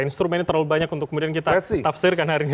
instrumennya terlalu banyak untuk kemudian kita tafsirkan hari ini